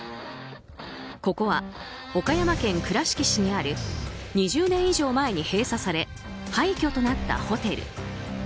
ここは岡山県倉敷市にある２０年以上前に閉鎖され廃墟となったホテル。